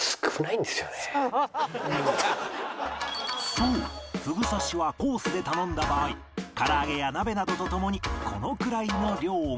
そうふぐ刺しはコースで頼んだ場合唐揚げや鍋などとともにこのくらいの量が